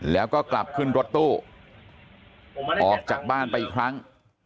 แล้วก็กลับขึ้นรถตู้ออกจากบ้านไปอีกครั้ง